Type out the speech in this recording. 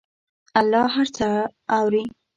الله هر څه اوري.